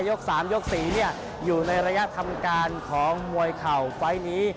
๓ยก๔อยู่ในระยะทำการของมวยเข่าไฟล์นี้